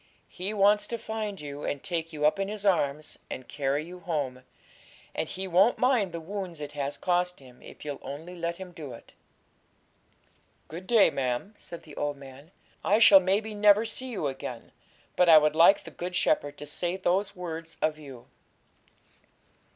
He wants to find you, and take you up in His arms, and carry you home; and He won't mind the wounds it has cost Him, if you'll only let Him do it. 'Good day, ma'am,' said the old man; 'I shall, maybe, never see you again; but I would like the Good Shepherd to say those words of you.'